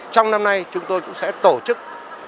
trong năm nay chúng tôi cũng sẽ tổ chức